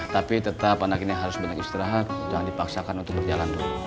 tapi tetap anak ini harus banyak istirahat jangan dipaksakan untuk berjalan dulu